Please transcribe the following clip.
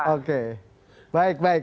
oke baik baik